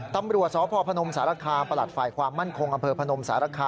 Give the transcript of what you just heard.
ตำรวจสพพนมสารคามปรัฐภัยความมั่นคงอพพค